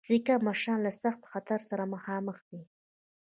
سیکه مشران له سخت خطر سره مخامخ دي.